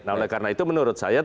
nah oleh karena itu menurut saya